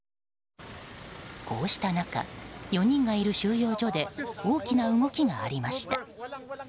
こうした中、４人がいる収容所で大きな動きがありました。